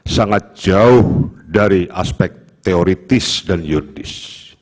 sangat jauh dari aspek teoritis dan yuridis